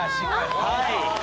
はい。